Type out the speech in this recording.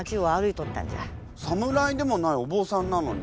侍でもないお坊さんなのに。